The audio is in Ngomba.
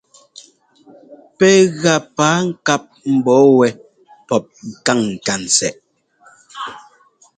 Pɛ́ gá paa-ŋkáp mbɔ̌ wɛ́ pɔ́p káŋ ŋkantsɛꞌ.